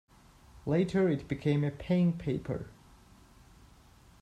Later it became a paying paper.